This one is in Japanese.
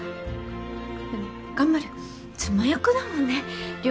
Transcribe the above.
でも頑張る妻役だもんね料理ぐらい。